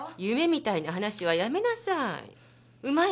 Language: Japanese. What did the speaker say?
夢みたいな話はやめなさい。